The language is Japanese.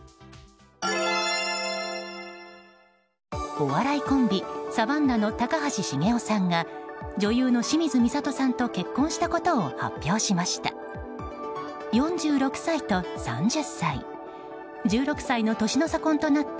お笑いコンビサバンナの高橋茂雄さんが女優の清水みさとさんと結婚したことを発表しました。